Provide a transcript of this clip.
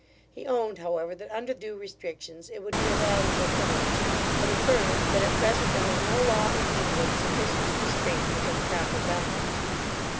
He owned, however, that under due restrictions, it would be a valuable privilege; but affirmed, that at present there was no law in England sufficient to restrain it within proper bounds.